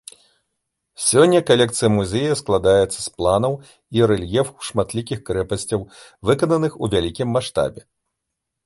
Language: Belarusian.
Сёння калекцыя музея складаецца з планаў і рэльефаў шматлікіх крэпасцяў, выкананых у вялікім маштабе.